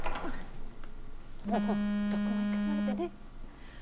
もうどこも行かないでね